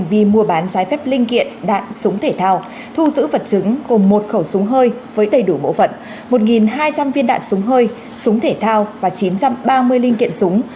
một hai trăm linh viên đạn súng hơi súng thể thao và chín trăm ba mươi linh kiện súng